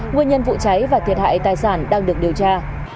nguyên nhân vụ cháy và thiệt hại tài sản đang được điều tra